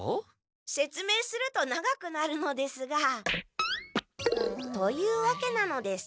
せつめいすると長くなるのですが。というわけなのです。